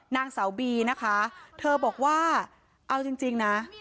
นางสาวบีนะคะเธอบอกว่าเอาจริงนะ